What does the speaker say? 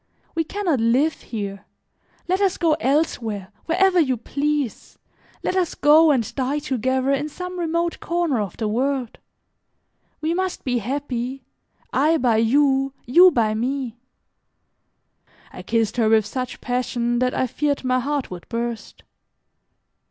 We can not live here, let us go elsewhere, wherever you please, let us go and die together in some remote corner of the world. We must be happy, I by you, you by me." I kissed her with such passion that I feared my heart would burst.